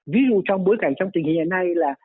ví dụ trong bối cảnh trong tình hình hiện nay là